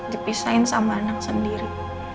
dipisahin sama anak sendiri